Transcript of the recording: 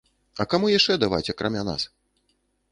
А каму яшчэ даваць, акрамя нас?